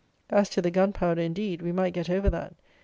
As to the gunpowder, indeed, we might get over that.